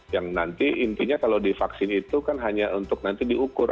yang nanti intinya kalau divaksin itu kan hanya untuk nanti diukur